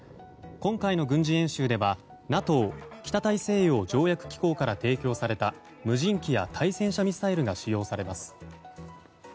今回の軍事演習ではＮＡＴＯ・北大西洋条約機構から提供された無人機や対戦車ミサイルが使用されます。